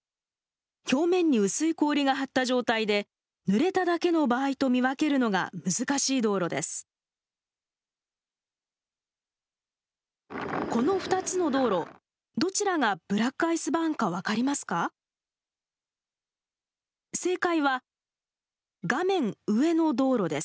表面に薄い氷が張った状態でぬれただけの場合と見分けるのが難しい道路です。